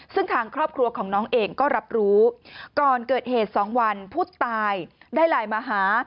ซึ่งทางครอบครัวของน้องเองก็รับรู้ก่อนเกิดเหตุ๒วันผู้ตายได้ไลน์มาหา